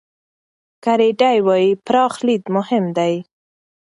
ګرېډي وايي، پراخ لید مهم دی.